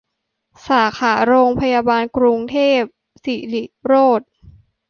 สาขาโรงพยาบาลกรุงเทพสิริโรจน์